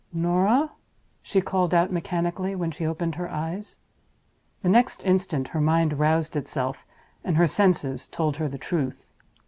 "Norah!" she called out mechanically, when she opened her eyes. The next instant her mind roused itself, and her senses told her the truth.